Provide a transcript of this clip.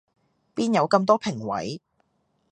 邊有咁多評委